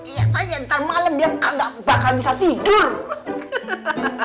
iya tanya ntar malam dia gak bakal bisa tidur